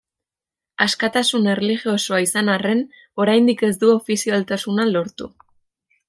Askatasun erlijiosoa izan arren oraindik ez du ofizialtasuna lortu.